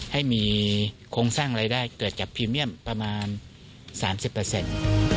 ให้มีโครงสร้างรายได้เกิดจากพรีเมียมประมาณสามสิบเปอร์เซ็นต์